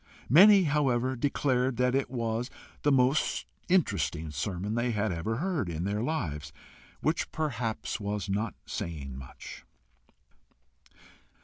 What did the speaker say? Many however declared that it was the most interesting sermon they had ever heard in their lives which perhaps was not saying much.